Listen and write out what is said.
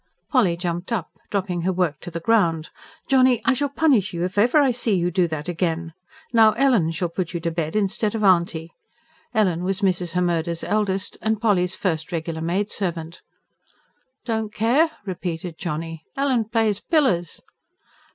Polly jumped up, dropping her work to the ground. "Johnny, I shall punish you if ever I see you do that again. Now, Ellen shall put you to bed instead of Auntie." Ellen was Mrs. Hemmerde's eldest, and Polly's first regular maidservant. "Don' care," repeated Johnny. "Ellen plays pillers."